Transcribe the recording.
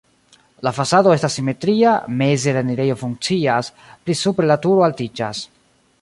La fasado estas simetria, meze la enirejo funkcias, pli supre la turo altiĝas.